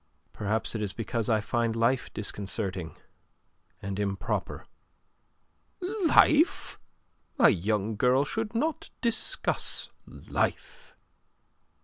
"Perhaps it is because I find life disconcerting and improper." "Life? A young girl should not discuss life."